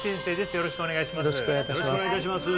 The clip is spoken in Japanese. よろしくお願いします